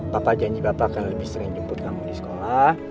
papa janji bapak akan lebih sering jemput kamu di sekolah